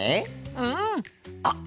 うん。あっ。